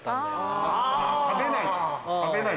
「食べない」。